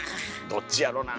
どっちやろなあ。